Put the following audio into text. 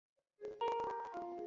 একসাথে খাওয়া-দাওয়া উঠা-বসা।